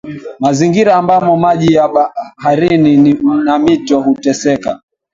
mazingira ambamo maji ya baharini na mito huteseka